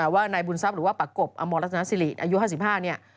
ว่านายบุญทรัพย์หรือว่าประกบอมรัตนสิริอายุ๕๕เนี่ย